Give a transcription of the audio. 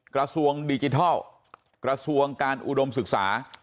กระทรวงดิจิทัลกระทรวงการอุดมศึกษา